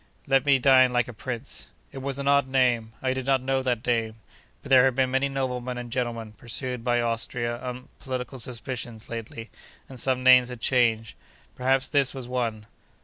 Let me dine like a prince.' It was an odd name. I did not know that name. But, there had been many noblemen and gentlemen pursued by Austria on political suspicions, lately, and some names had changed. Perhaps this was one.